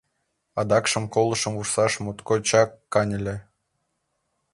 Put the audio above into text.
Адакшым колышым вурсаш моткочак каньыле.